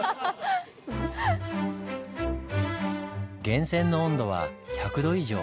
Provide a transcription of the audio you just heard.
源泉の温度は１００℃以上。